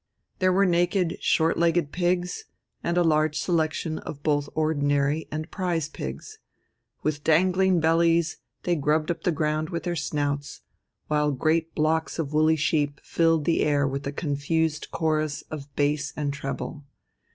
There were naked short legged pigs, and a large selection of both ordinary and prize pigs. With dangling bellies they grubbed up the ground with their snouts, while great blocks of woolly sheep filled the air with a confused chorus of bass and treble.